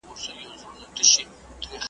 موږ په خوښیو کې یو بل ته مبارکي ورکوو.